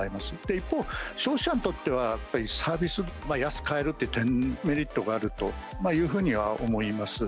一方、消費者にとっては、やっぱりサービス、さらにかえるというメリットがあるというふうには思います。